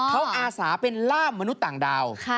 เขาอาสาเป็นล่ามมนุษย์ต่างดาว